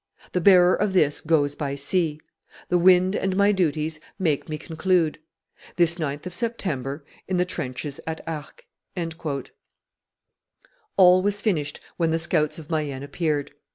The bearer of this goes by sea. The wind and my duties make me conclude. This 9th of September, in the trenches at Arques." All was finished when the scouts of Mayenne appeared.